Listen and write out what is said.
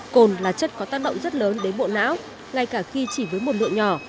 cồn là chất có tác động rất lớn đến bộ não ngay cả khi chỉ với một lượng nhỏ